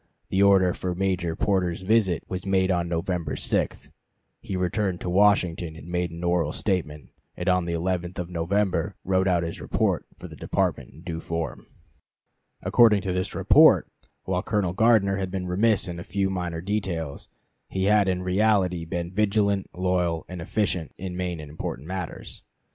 The order for Major Porter's visit was made on November 6; he returned to Washington and made an oral statement, and on the 11th of November wrote out his report for the Department in due form. Doubleday, "Forts Sumter and Moultrie," p. 19. According to this report, while Colonel Gardner had been remiss in a few minor details, he had in reality been vigilant, loyal, and efficient in main and important matters.